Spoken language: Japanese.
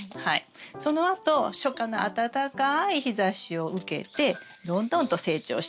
そのあと初夏の暖かい日ざしを受けてどんどんと成長していきます。